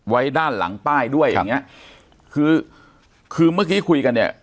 ไว้ด้านหลังป้ายด้วยอย่างเงี้ยคือคือเมื่อกี้คุยกันเนี่ย